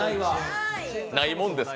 ないもんですか？